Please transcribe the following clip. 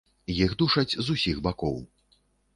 Іх душаць з усіх бакоў.